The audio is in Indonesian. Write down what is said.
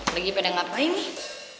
lagi beda ngapain nih